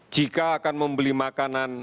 jika akan membeli makanan